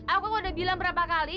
aku mau udah bilang berapa kali